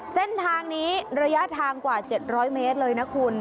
เส้นทางนี้ระยะทางกว่า๗๐๐เมตรเลยนะคุณ